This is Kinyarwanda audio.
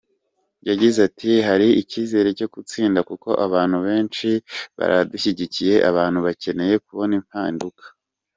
Yagize ati “Hari icyizere cyo gutsinda kuko abantu benshi baradushyigikiye, abantu bakeneye kubona impinduka.